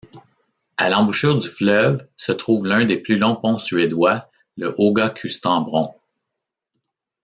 À l'embouchure du fleuve se trouve l'un des plus longs ponts suédois le Högakustenbron.